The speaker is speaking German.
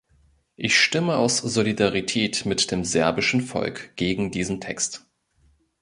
Ich stimme aus Solidarität mit dem serbischen Volk gegen diesen Text.